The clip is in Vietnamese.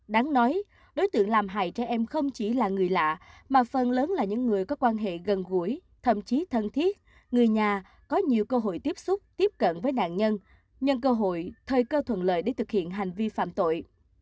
đáng nói đối tượng làm hại trẻ em không chỉ là người lạ mà phần lớn là những người có quan hệ gần gũi thậm chí thân thiết người nhà có nhiều cơ hội tiếp xúc tiếp cận với nạn nhân nhân cơ hội thời cơ thuận lợi để thực hiện hành vi phạm tội